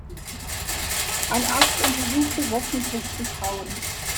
Ein Arzt untersuchte wöchentlich die Frauen.